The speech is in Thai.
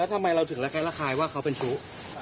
แล้วทำไมเราถึงและแคลคายว่าเขาเป็นชู้